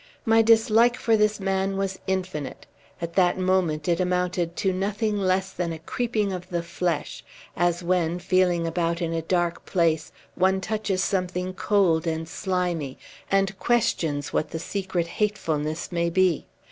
My dislike for this man was infinite. At that moment it amounted to nothing less than a creeping of the flesh, as when, feeling about in a dark place, one touches something cold and slimy, and questions what the secret hatefulness may be.